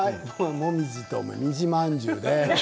もみじともみじまんじゅうです。